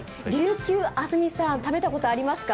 安住さん、食べたことありますか？